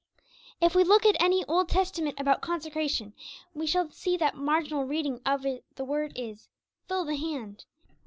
If we look at any Old Testament text about consecration, we shall see that the marginal reading of the word is, 'fill the hand' (_e.